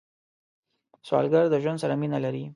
سوالګر د ژوند سره مینه لري